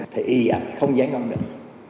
thì không giải ngăn được